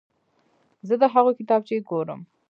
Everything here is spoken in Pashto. زه د هغوی کتابچې ګورم.